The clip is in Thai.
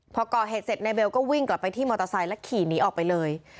พอก่อเหตุเสร็จนายเบลก็วิ่งกลับไปที่มอเตอร์ไซค์แล้วขี่หนีออกไปเลย